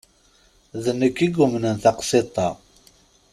D anekk i yumnen taqsiḍt-a.